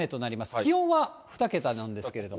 気温は２桁なんですけどね。